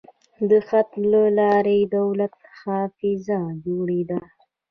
د خط له لارې د دولت حافظه جوړېده.